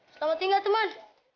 selamat tinggal teman